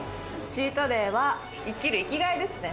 チートデイは生きる生きがいですね。